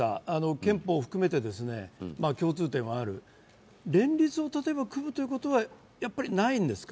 憲法を含めて共通点はある、連立を組むということはやっぱりないんですか。